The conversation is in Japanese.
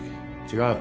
違う。